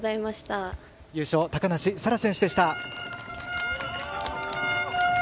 優勝、高梨沙羅選手でした。